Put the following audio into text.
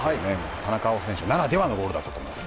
田中碧選手ならではのゴールだったと思います。